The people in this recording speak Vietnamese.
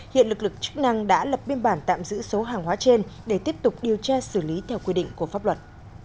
hiện lực lượng chức năng đã lập biên bản tạm giữ số hàng hóa trên để tiếp tục điều tra xử lý theo quy định của pháp luật